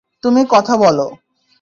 তুমি কথা বলো?